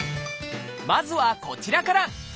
まずはこちらから！